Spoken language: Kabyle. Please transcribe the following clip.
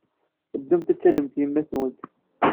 Ddumt ad tallemt yemma-twent.